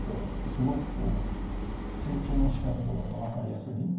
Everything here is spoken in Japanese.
すごく成長のしかたとかが分かりやすい。